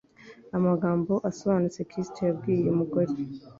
Amagambo asobanutse Kristo yabwiye uyu mugore